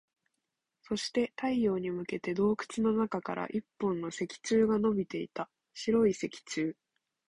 そして、太陽に向けて洞窟の中から一本の石柱が伸びていた。白い石柱。